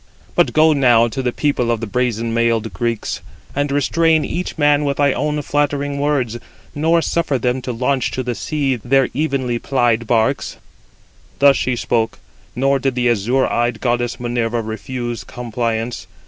But go now to the people of the brazen mailed Greeks, and restrain each man with thy own flattering words, nor suffer them to launch to the sea their evenly plied 91 barks." Thus she spoke, nor did the azure eyed goddess Minerva refuse compliance.